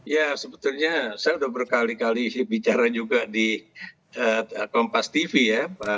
ya sebetulnya saya sudah berkali kali bicara juga di kompas tv ya